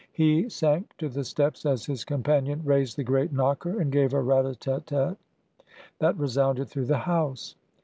He sank to the steps as his companion raised the great knocker and gave a rat a tat tat that resounded through the house.